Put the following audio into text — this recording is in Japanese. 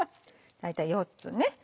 大体４つね